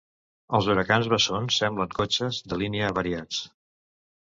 Els huracans bessons semblen cotxes de línia avariats.